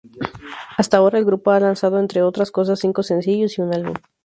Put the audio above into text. Hasta ahora, el grupo ha lanzado, entre otras cosas, cinco sencillos y un álbum.